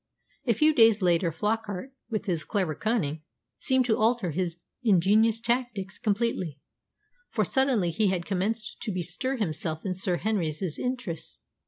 A few days later Flockart, with clever cunning, seemed to alter his ingenious tactics completely, for suddenly he had commenced to bestir himself in Sir Henry's interests.